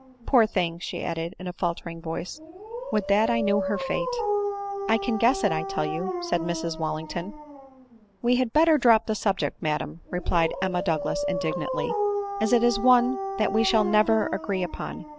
Poor thing !" she added in a faltering voice, " would that I knew her fate !"" I can guess it, I tell you/' said Mrs Wallington. " We had better drop the subject, madam," replied Em ma Douglas indignantly, " as it is one that we shall never agree, upon.